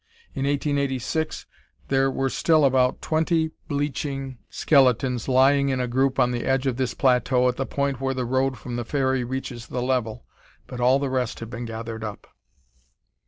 In 1886 there were still about twenty bleaching skeletons lying in a group on the edge of this plateau at the point where the road from the ferry reaches the level, but all the rest had been gathered up.